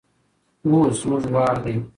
اوس زموږ وار دی.